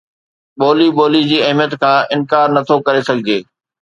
ٻولي ٻولي جي اهميت کان انڪار نه ٿو ڪري سگهجي